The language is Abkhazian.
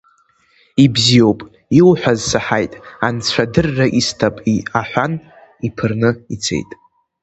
Ибзиоуп иуҳәаз саҳаит, анцәа адырра исҭап, — аҳәан иԥырны ицеит.